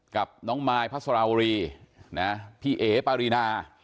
กับน้องไมค์ภระชาวรีพี่เอ๋ปารีนา